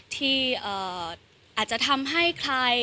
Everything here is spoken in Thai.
ที่อาจจะทำให้ใคร